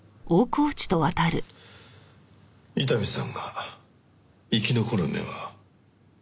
伊丹さんが生き残る目は？